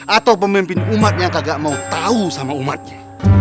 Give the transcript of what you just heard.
atau pemimpin umat yang kagak mau tahu sama umatnya